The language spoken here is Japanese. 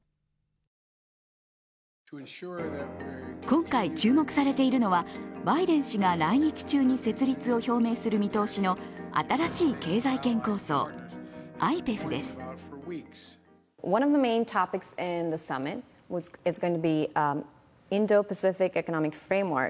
今回、注目されているのはバイデン氏が来日中に設立を表明する見通しの新しい経済圏構想・ＩＰＥＦです。